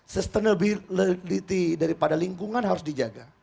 sustainability daripada lingkungan harus dijaga